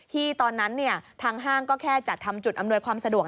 ตอนนั้นทางห้างก็แค่จัดทำจุดอำนวยความสะดวก